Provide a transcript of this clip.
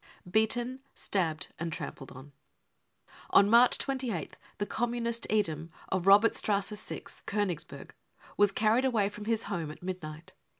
Beaten* Stabbed and Trampled on. On March 28th the Communist Edom, of Robertstrasse 6, Konigsberg, was carried away from his home at midnight.